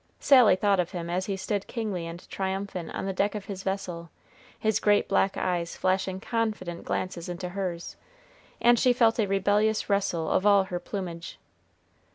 Sally thought of him as he stood kingly and triumphant on the deck of his vessel, his great black eyes flashing confident glances into hers, and she felt a rebellious rustle of all her plumage.